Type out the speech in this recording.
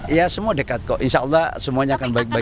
ya semua dekat kok insya allah semuanya akan baik baik